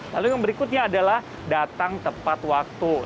lalu yang berikutnya adalah datang tepat waktu